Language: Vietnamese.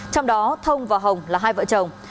trong đó thông và hồng là hai vợ chồng